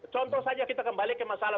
contoh saja kita kembali ke masalah